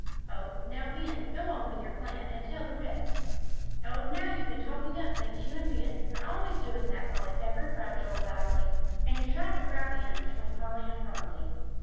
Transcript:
Oh, now, Ben, go on with your plan and tell the rest." "Oh, now you've been talking up things, you and Ben; you're always doing that, Polly Pepper," cried Joel, loudly. And he tried to crowd in between Polly and Phronsie.